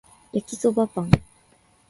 焼きそばパン